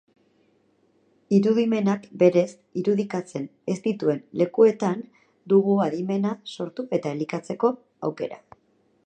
Irudimenak berez irudikatzen ez dituen lekuetan dugu adimena sortu eta elikatzeko aukera.